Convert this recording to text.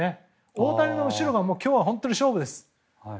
大谷の後ろが今日は本当に勝負です。